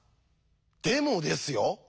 でもですよ